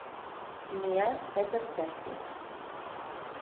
N'hi ha set espècies.